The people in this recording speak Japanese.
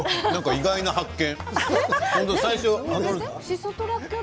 意外な発見。